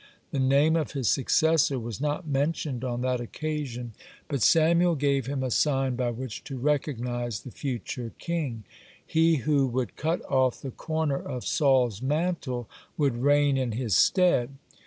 The name of his successor was not mentioned on that occasion, but Samuel gave him a sign by which to recognize the future king: he who would cut off the corner of Saul's mantle, would reign in his stead.